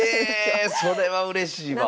えそれはうれしいわ！